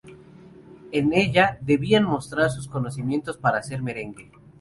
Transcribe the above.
En ella, debían mostrar sus conocimientos para hacer merengue.